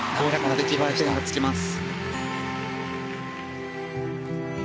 出来栄え点がつきます。